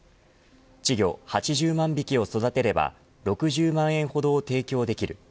稚魚８０万匹を育てれば６０万円ほどを提供できる。